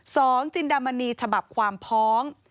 สองจินดามณีฉบับความพ้อง